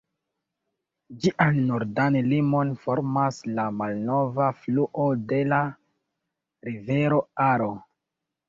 Ĝian nordan limon formas la malnova fluo de la rivero Aro.